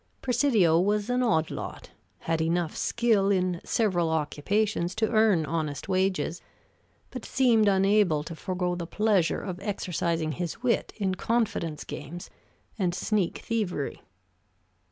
Presidio was an odd lot; had enough skill in several occupations to earn honest wages, but seemed unable to forego the pleasure of exercising his wit in confidence games and sneak thievery.